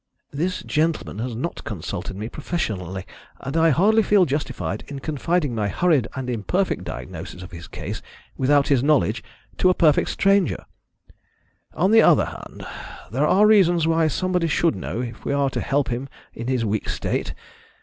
"This gentleman has not consulted me professionally, and I hardly feel justified in confiding my hurried and imperfect diagnosis of his case, without his knowledge, to a perfect stranger. On the other hand, there are reasons why somebody should know, if we are to help him in his weak state.